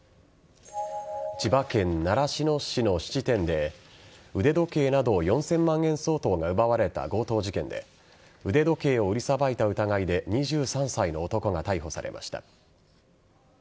千葉県習志野市の質店で腕時計など４０００万円相当が奪われた強盗事件で腕時計を売りさばいた疑いで２３歳の男が逮捕されました。